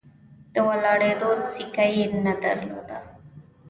د ولاړېدو سېکه یې نه درلوده.